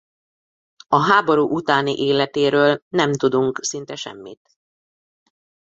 A háború utáni életéről nem tudunk szinte semmit.